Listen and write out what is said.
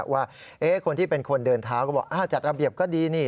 ว่าคนที่เป็นคนเดินเท้าก็บอกจัดระเบียบก็ดีนี่